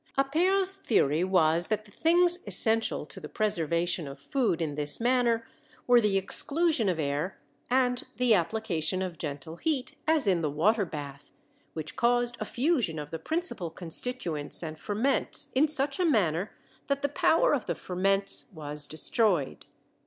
Appert's theory was that the things essential to the preservation of food in this manner were the exclusion of air and the application of gentle heat, as in the water bath, which caused a fusion of the principal constituents and ferments in such a manner that the power of the ferments was destroyed.